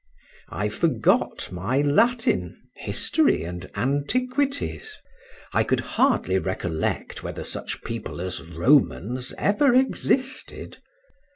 I forgot my Latin, history, and antiquities; I could hardly recollect whether such people as Romans ever existed.